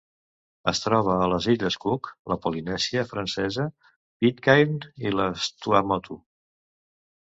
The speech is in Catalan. Es troba a les Illes Cook, la Polinèsia Francesa, Pitcairn i les Tuamotu.